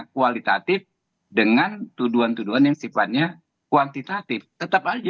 kualitatif dengan tuduhan tuduhan yang sifatnya kuantitatif tetap aja